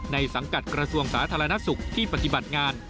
สังกัดกระทรวงสาธารณสุขที่ปฏิบัติงาน